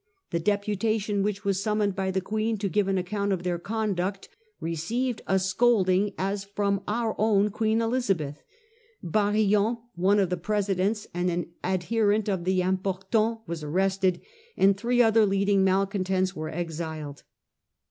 The deputation which was summoned by the Queen to give an Severity of account of conduct received a scolding the court. as from our own Queen Elizabeth. Barillon, one of the presidents and an adherent of the * Impor tants/ was arrested, and three other leading malcontents were exiled.